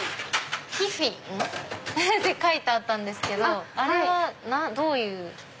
ティフィンって書いてあったんですけどあれはどういう。